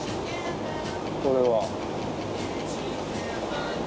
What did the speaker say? これは。